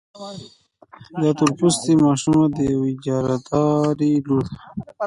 دا تور پوستې ماشومه د يوې اجارهدارې لور وه.